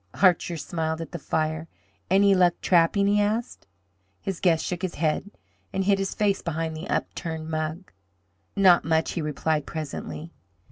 Archer smiled at the fire. "Any luck trapping?" he asked. His guest shook his head and hid his face behind the upturned mug. "Not much," he replied, presently.